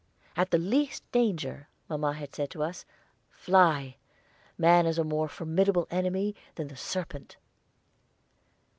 "At the least danger," mamma had said to us, "fly. Man is a more formidable enemy than the serpent."